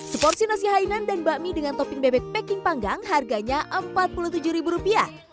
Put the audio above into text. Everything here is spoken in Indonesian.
seporsi nasi hainan dan bakmi dengan topping bebek packing panggang harganya rp empat puluh tujuh